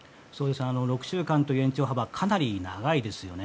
６週間という延長幅はかなり長いですよね。